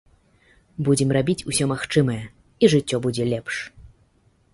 Будзем рабіць усё магчымае і жыццё будзе лепш.